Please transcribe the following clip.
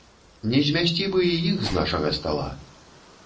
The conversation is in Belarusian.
Не змясці бы і іх з нашага стала.